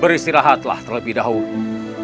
beristirahatlah terlebih dahulu